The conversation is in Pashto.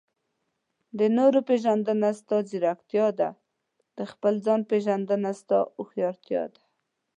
د نورو پېژندنه؛ ستا ځیرکتیا ده. د خپل ځان پېژندنه؛ ستا هوښيارتيا ده.